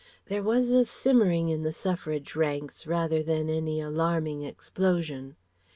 There was a simmering in the Suffragist ranks rather than any alarming explosion.